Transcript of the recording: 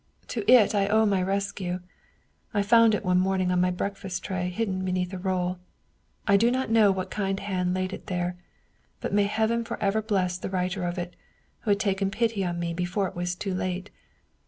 To it I owe my rescue. I found it one morn ing on my breakfast tray, hidden beneath a roll. I do not know what kind hand laid it there, but may heaven for ever bless the writer of it, who had taken pity on me before it was too late